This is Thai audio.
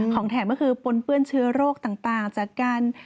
ของแถมก็คือปนเปื้อนเชื้อโรคต่างจากการ